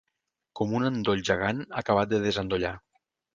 Com un endoll gegant acabat de desendollar.